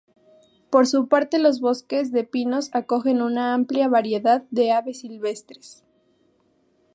Por su parte los bosques de pinos acogen una amplia variedad de aves silvestres.